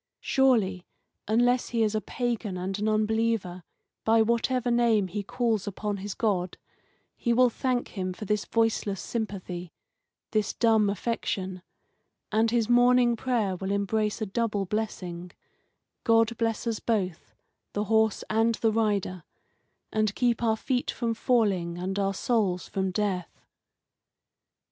Surely, unless he is a pagan and an unbeliever, by whatever name he calls upon his God, he will thank Him for this voiceless sympathy, this dumb affection, and his morning prayer will embrace a double blessing God bless us both, the horse and the rider, and keep our feet from falling and our souls from death!